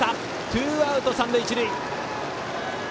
ツーアウト、三塁一塁。